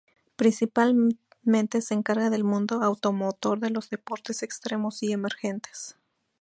Principalmente, se encarga del mundo automotor, de los deportes extremos y emergentes.